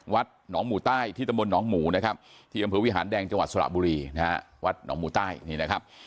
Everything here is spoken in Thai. วัดหนองหมู่ใต้ที่ตำบลหนองหมูนะครับที่อำเภอวิหารแดงจังหวัดสระบุรีนะฮะวัดหนองหมูใต้นี่นะครับ